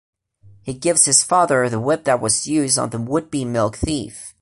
He gives his father the whip that was used on the would-be milk thief.